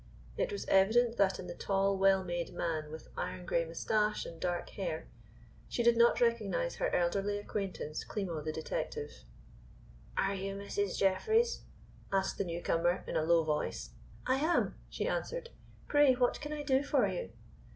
It was evident that in the tall, well made man with iron grey moustache and dark hair, she did not recognize her elderly acquaintance, Klimo, the detective. "Are you Mrs. Jeffreys?" asked the new comer, in a low voice. "I am," she answered. "Pray, what can I do for you?"